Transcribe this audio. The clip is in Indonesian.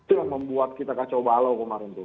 itu yang membuat kita kacau balau kemarin tuh